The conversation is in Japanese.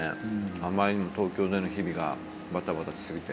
あまりにも東京での日々がバタバタし過ぎて。